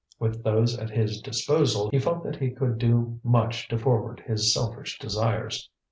With those at his disposal, he felt that he could do much to forward his selfish desires.